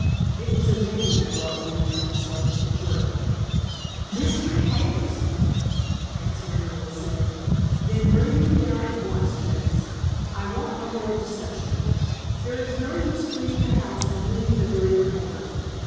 It was a name that brought me to myself with a jerk. "Mr. Harbison!" Aunt Selina was saying. "Then bring him down at once, James. I want no more deception. There is no use cleaning a house and leaving a dirty corner."